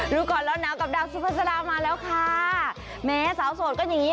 รู้ก่อนแล้วน้ำกับดาวซุปเปอร์ซาลามาแล้วค่ะแม้สาวโสดก็อย่างงี้